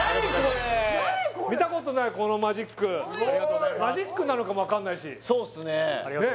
見たことないこのマジックマジックなのかも分かんないしそうっすねねえ